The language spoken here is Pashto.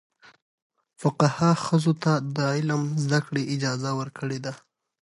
فقهاء ښځو ته د علم زده کړې اجازه ورکړې ده.